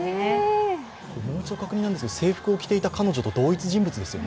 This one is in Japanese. もう一度確認しますが、制服を着ていた彼女と同一人物ですよね。